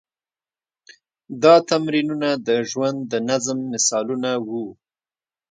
دا تمرینونه د ژوند د نظم مثالونه وو.